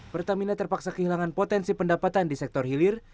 pertamina terpaksa kehilangan potensi pendapatan di sektor hilir